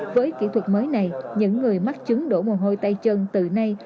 với kỹ thuật mới này những người mắc chứng đổ mồ hôi tay chân từ nay